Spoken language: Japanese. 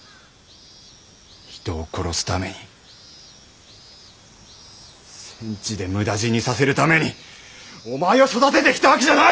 人を殺すために戦地で無駄死にさせるためにお前を育ててきた訳じゃない！